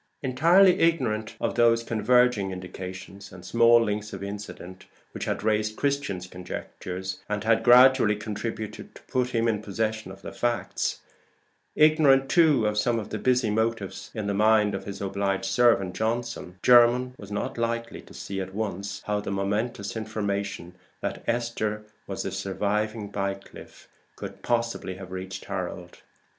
Entirely ignorant of those converging indications and small links of incident which had raised Christian's conjectures, and had gradually contributed to put him in possession of the facts; ignorant too of some busy motives in the mind of his obliged servant Johnson; Jermyn was not likely to see at once how the momentous information that Esther was the surviving Bycliffe could possibly have reached Harold.